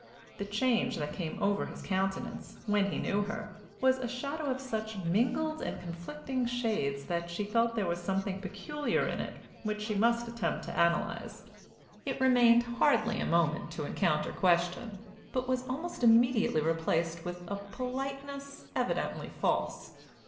The change that came over his countenance, when he knew her, was a shadow of such mingled and conflicting shades that she felt there was something peculiar in it which she must attempt to analyze. It remained hardly a moment to encounter question, but was almost immediately replaced with a politeness evidently false.